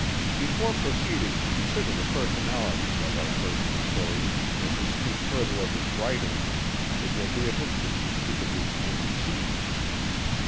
Before proceeding to consider the personality of our first historian and to speak further of his writings, it will be of interest to speak of his antecedents.